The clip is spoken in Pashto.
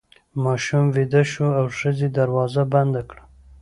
ماشوم ویده شو او ښځې دروازه بنده کړه.